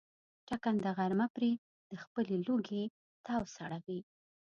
ټکنده غرمه پرې د خپلې لوږې تاو سړوي.